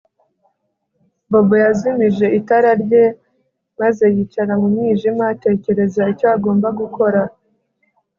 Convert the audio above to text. Bobo yazimije itara rye maze yicara mu mwijima atekereza icyo agomba gukora